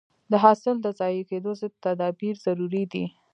د حاصل د ضایع کېدو ضد تدابیر ضروري دي.